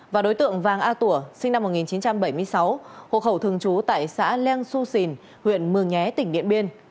và đối tượng vàng a tủa sinh năm một nghìn chín trăm bảy mươi sáu hộ khẩu thường trú tại xã leng xu sìn huyện mường nhé tỉnh điện biên